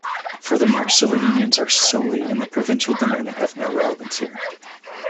Furthermore, civil unions are solely in the provincial domain and have no relevance here.